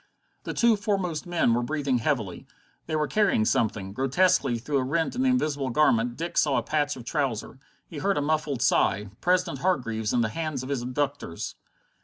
The two foremost men were breathing heavily. They were carrying something. Grotesquely through a rent in the invisible garment Dick saw a patch of trouser. He heard a muffled sigh. President Hargreaves, in the hands of his abductors!